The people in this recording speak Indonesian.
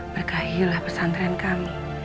berkahilah pesantren kami